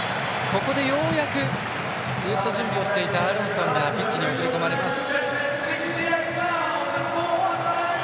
ここでようやくずっと準備をしていたアーロンソンがピッチに送り込まれます。